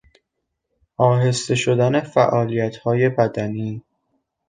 آهسته شدن فعالیتهای بدنی